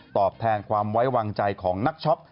ตอบแทนความไว้วางใจของนักช็อป